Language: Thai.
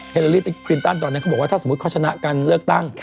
เฮเลอรี่ติ๊กปรินตันตอนนั้นเขาบอกว่าถ้าสมมุติเขาชนะการเลิกตั้ง